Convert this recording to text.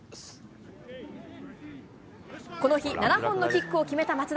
この日７本のキックを決めた松田。